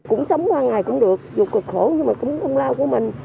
cũng sống qua ngày cũng được dù cực khổ nhưng mà cũng công lao của mình